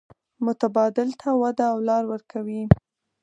متبادل ته وده او لار ورکوي.